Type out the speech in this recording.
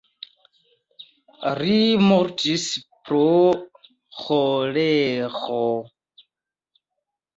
Li mortis pro ĥolero.